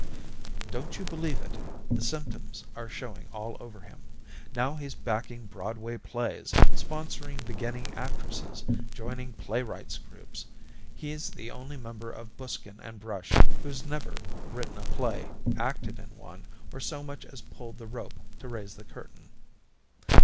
"Don't you believe it. The symptoms are showing all over him. Now he's backing Broadway plays, sponsoring beginning actresses, joining playwrights' groups he's the only member of Buskin and Brush who's never written a play, acted in one, or so much as pulled the rope to raise the curtain."